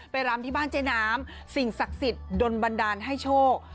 รำที่บ้านเจ๊น้ำสิ่งศักดิ์สิทธิ์โดนบันดาลให้โชค